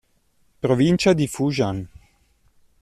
Provincia di Fujian